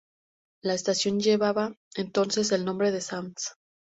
La estación llevaba entonces el nombre de Sans.